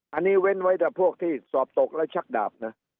อันนี้เว้นไว้แต่พวกที่สอบตกแล้วชักดาบนะ